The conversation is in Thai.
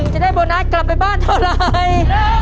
จะได้โบนัสกลับไปบ้านเท่าไร